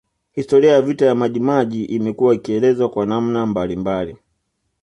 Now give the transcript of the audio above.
Historia ya vita ya Majimaji imekuwa ikielezwa kwa namna mbalimbali